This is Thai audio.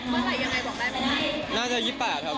เมื่อไหร่ยังไงบอกได้ไหม